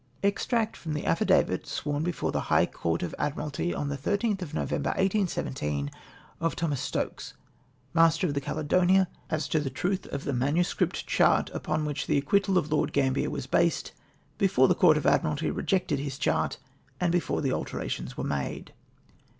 5 Extract from the affidavit, sworn before the liigh Court of Ad miralty on the 13th of November, 1817, of Thomas Stokes, master of the Caledonia, as to the truth of the MSS. chart, upon which the acquittal of Lord Gambier was based ; before the Court of Admiralty rejected his chart, and before the alterations were made.